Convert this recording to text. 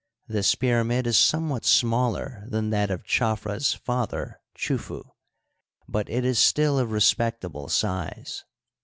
This pyramid is somewhat smaller than that of Chafra's father, Chufu, but it is still of respectable size.